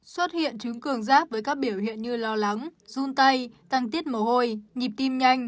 xuất hiện chứng cường giáp với các biểu hiện như lo lắng run tay tăng tiết mồ hôi nhịp tim nhanh